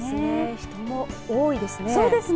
人も多いですね。